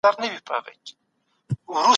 دې سرميې ته وده ورکړئ.